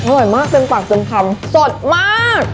อร่อยมากเต็มปากเต็มคำสดมาก